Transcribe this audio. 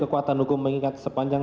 kekuatan hukum mengikat sepanjang